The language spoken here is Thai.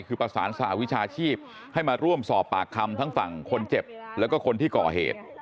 คือประสานสหวิชาชีพให้มาร่วมสอบปากคำทั้งฝั่งคนเจ็บแล้วก็คนที่ก่อเหตุ